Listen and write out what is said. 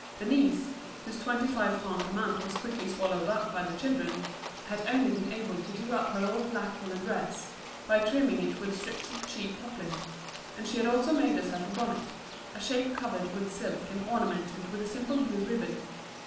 Denise, whose twenty five francs a month was quickly swallowed up by the children, had only been able to do up her old black woollen dress, by trimming it with strips of check poplin; and she had also made herself a bonnet, a shape covered with silk and ornamented with a simple blue ribbon.